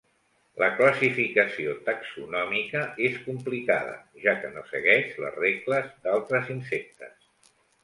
La classificació taxonòmica és complicada, ja que no segueix les regles d'altres insectes.